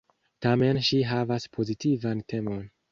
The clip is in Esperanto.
Tamen ŝi havas pozitivan temon.